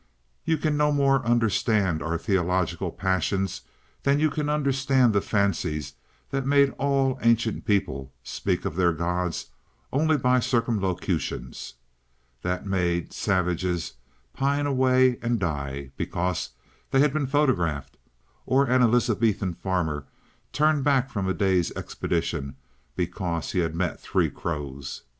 You can no more understand our theological passions than you can understand the fancies that made all ancient peoples speak of their gods only by circumlocutions, that made savages pine away and die because they had been photographed, or an Elizabethan farmer turn back from a day's expedition because he had met three crows.